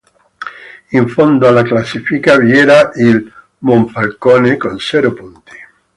In fondo alla classifica vi era il Monfalcone con zero punti.